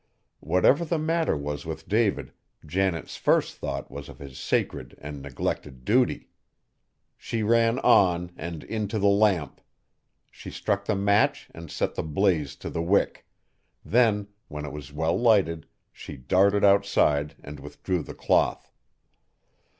Whatever the matter was with David, Janet's first thought was of his sacred and neglected duty. She ran on, and into the lamp. She struck the match and set the blaze to the wick; then, when it was well lighted, she darted outside and withdrew the cloth.